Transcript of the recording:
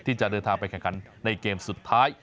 ที่จะเดินทางไปแข่งขันในเกมสุดท้าย